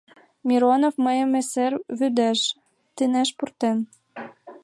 Миронов мыйым эсер вӱдеш «тынеш пуртен».